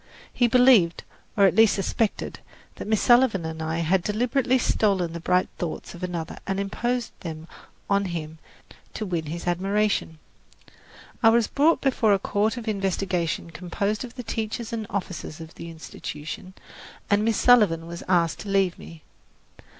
He believed, or at least suspected, that Miss Sullivan and I had deliberately stolen the bright thoughts of another and imposed them on him to win his admiration. I was brought before a court of investigation composed of the teachers and officers of the Institution, and Miss Sullivan was asked to leave me.